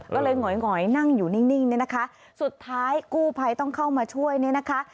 ก็เลยหงอยหอยนั่งอยู่นิ่งเนี่ยนะคะสุดท้ายกู้ภัยต้องเข้ามาช่วยเนี่ยนะคะ